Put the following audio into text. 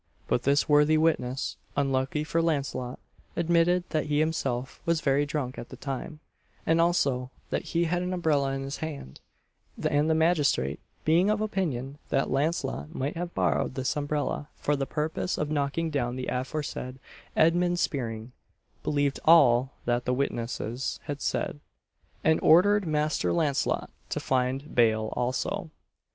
But this worthy witness, unluckily for Launcelot, admitted that he himself was very drunk at the time, and also that he had an umbrella in his hand; and the magistrate being of opinion that Launcelot might have borrowed this umbrella for the purpose of knocking down the aforesaid Edmund Speering, believed all that the witnesses had said, and ordered Master Launcelot to find bail also.